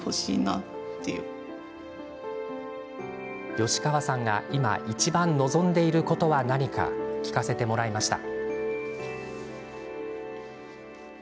吉川さんが今いちばん望んでいることは何か聞かせてもらいました。